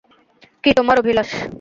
কী তোমার অভিলাষ?